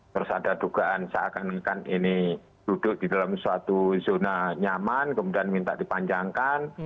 terus ada dugaan seakan akan ini duduk di dalam suatu zona nyaman kemudian minta dipanjangkan